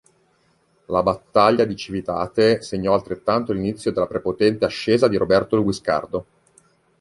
La battaglia di Civitate segnò altrettanto l'inizio della prepotente ascesa di Roberto il Guiscardo.